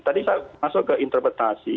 tadi saya masuk ke interpretasi